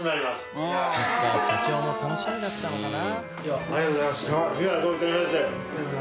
社長も楽しみだったのかな。